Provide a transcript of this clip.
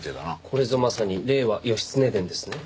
これぞまさに『令和義経伝』ですね。